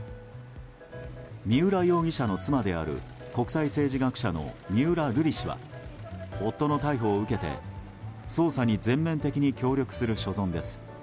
三浦容疑者の妻である国際政治学者の三浦瑠麗氏は夫の逮捕を受けて、捜査に全面的に協力する所存です。